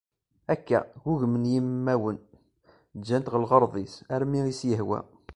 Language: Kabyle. Akka, ggugmen yimawen, ǧǧan-t ɣer lɣerḍ-is, armi i as-yehwa.